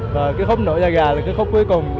và cái khúc nổi da gà là cái khúc cuối cùng